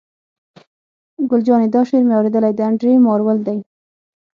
ګل جانې: دا شعر مې اورېدلی، د انډرې مارول دی.